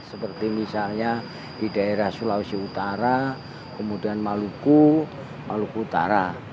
seperti misalnya di daerah sulawesi utara kemudian maluku maluku utara